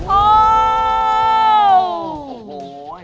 โอ้โห